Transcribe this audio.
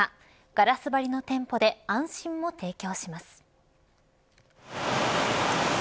ガラス張りの店舗で安心も提供します。